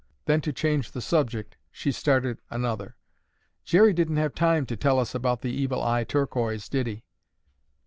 Then to change the subject, she started another. "Jerry didn't have time to tell us about the Evil Eye Turquoise, did he?"